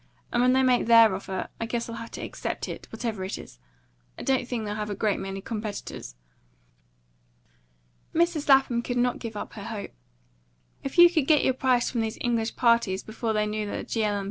And when they make their offer, I guess I'll have to accept it, whatever it is. I don't think they'll have a great many competitors." Mrs. Lapham could not give up her hope. "If you could get your price from those English parties before they knew that the G. L.